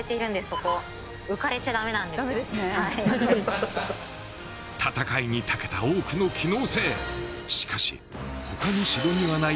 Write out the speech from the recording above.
そこダメですねはい戦いにたけた多くの機能性しかし他の城にはない